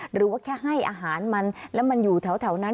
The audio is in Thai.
หรือว่าแค่ให้อาหารมันแล้วมันอยู่แถวนั้น